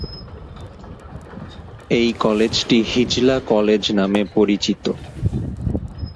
এই কলেজটি "হিজলা কলেজ" নামে পরিচিত।